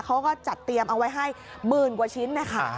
เขาก็จัดเตรียมเอาไว้ให้หมื่นกว่าชิ้นนะคะ